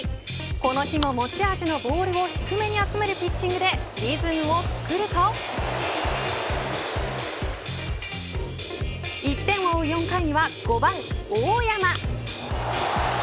この日は持ち味のボールを低めに集めるピッチングでリズムを作ると１点を追う４回には５番大山。